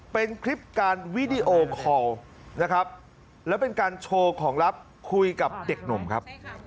เป็นคลิปการวิดีโอคอลนะครับแล้วเป็นการโชว์ของลับคุยกับเด็กหนุ่มครับ